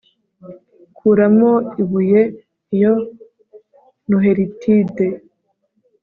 Kuramo ibuye iyo Noheritide